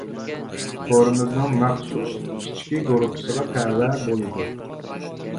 تورىمىزنىڭ مەخسۇس ئىچكى گۇرۇپپىسىغا تەۋە بولىدۇ.